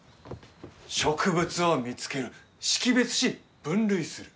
植物を見つける、識別し、分類する。